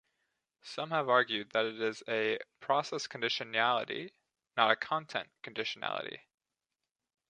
Some have argued that it is a "process conditionality" not a "content conditionality".